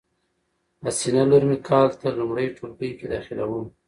حسینه لور می کال ته لمړی ټولګي کی داخلیدوم